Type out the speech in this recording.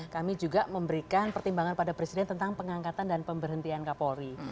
kami juga memberikan pertimbangan pada presiden tentang pengangkatan dan pemberhentian kapolri